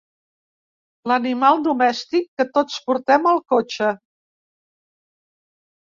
L'animal domèstic que tots portem al cotxe.